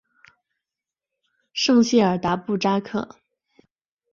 圣谢尔达布扎克。